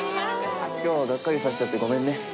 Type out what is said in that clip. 今日はがっかりさせちゃってごめんね。